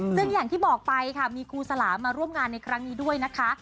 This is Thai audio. ซึ่งอย่างที่บอกไปค่ะมีครูสลามาร่วมงานในครั้งนี้ด้วยนะคะ